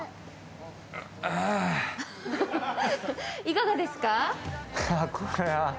いかがですか？